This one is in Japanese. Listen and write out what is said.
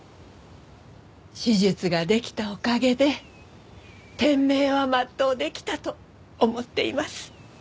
手術ができたおかげで天命は全うできたと思っています。